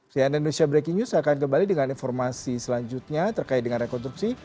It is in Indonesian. cnn indonesia breaking news akan kembali dengan informasi selanjutnya terkait dengan rekonstruksi